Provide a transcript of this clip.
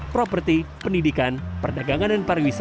properti pendidikan perdagangan dan pariwisata